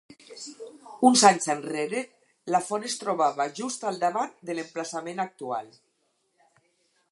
Uns anys enrere, la font es trobava just al davant de l'emplaçament actual.